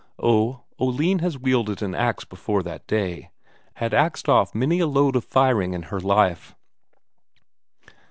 Oh, Oline has wielded an ax before that day; had axed off many a load of firing in her life.